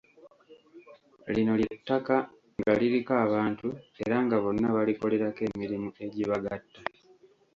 Llino lye ttaka nga liriko abantu era nga bonna balikolerako emirimu egibagatta.